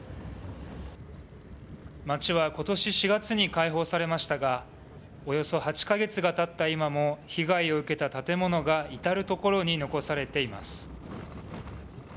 町はことし４月に解放されましたが、およそ８か月がたった今も、被害を受けた建物が至る所に残されています。